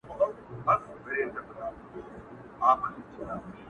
پر کاله ټول امتحان راسي مگر,